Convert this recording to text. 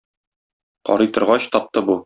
Карый торгач, тапты бу.